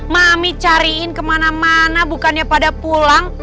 mami cariin kemana mana bukannya pada pulang